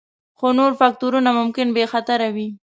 خو نور فکتورونه ممکن بې خطره وي